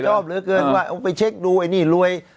ชอบเหลือเกินไปเช็คดูไอ้นี่รวย